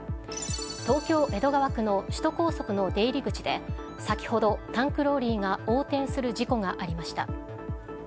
東京・江戸川区の首都高速の出入り口で先ほど、タンクローリーが横転する事故がありました。